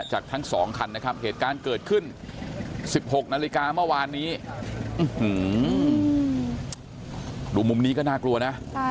จากทั้งสองคันนะครับเหตุการณ์เกิดขึ้น